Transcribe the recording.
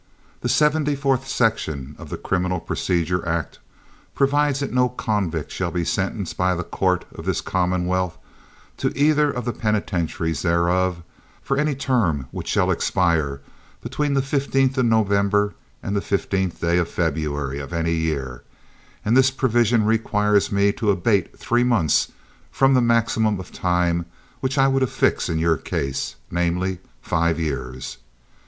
The seventy fourth section of the Criminal Procedure Act provides that no convict shall be sentenced by the court of this commonwealth to either of the penitentiaries thereof, for any term which shall expire between the fifteenth of November and the fifteenth day of February of any year, and this provision requires me to abate three months from the maximum of time which I would affix in your case—namely, five years.